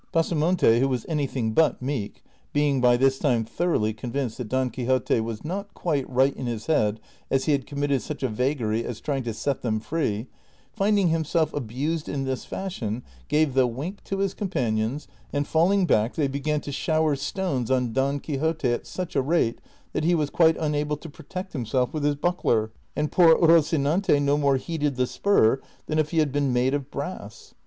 Pasamonte, who was anything but meek (being by this time thoroughly convinced that Don Qviixote was not quite right in his head as he had committed such a vagary as trying to set them free), finding himself abused in this fashion, gave the wink to his companions, and falling back they began to shower stones on Don Quixote at such a rate that he was quite unable to protect liin\self with his buckler, and poor Rocinante no more heeded the spur than if he had been made of brass.